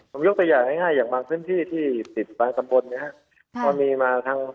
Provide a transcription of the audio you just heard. ผมยกตัวอย่างง่ายอย่างบางพื้นที่ที่สิทธิ์บ้านสมบน